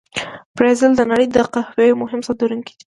برازیل د نړۍ د قهوې مهم صادرونکي دي.